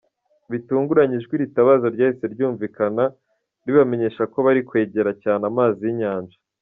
Bitunguranye ijwi ritabaza ryahise ryumvikana, ribamenyesha ko bari kwegera cyane amazi y’inyanja.